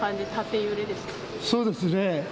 そうですね。